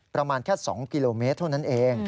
ประมาณแค่๒กิโลเมตรเท่านั้นเอง